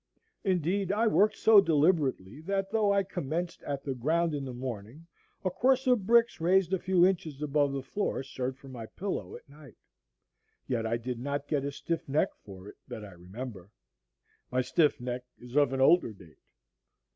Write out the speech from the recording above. Indeed, I worked so deliberately, that though I commenced at the ground in the morning, a course of bricks raised a few inches above the floor served for my pillow at night; yet I did not get a stiff neck for it that I remember; my stiff neck is of older date.